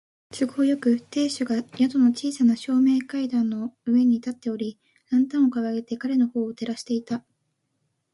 都合よく、亭主が宿の小さな正面階段の上に立っており、ランタンをかかげて彼のほうを照らしていた。